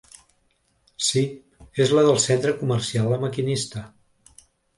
Si, es la del Centre Comercial La Maquinista.